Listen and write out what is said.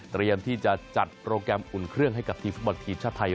ที่จะจัดโปรแกรมอุ่นเครื่องให้กับทีมฟุตบอลทีมชาติไทย